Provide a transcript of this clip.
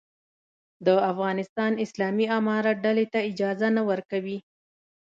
د افغانستان اسلامي امارت ډلې ته اجازه نه ورکوي.